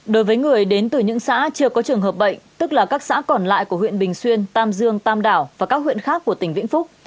đối với người đến từ những xã chưa có trường hợp bệnh tức là các xã còn lại của huyện bình xuyên tam dương tam đảo và các huyện khác của tỉnh vĩnh phúc